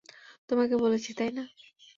তোমাকে বলেছি, তাই না?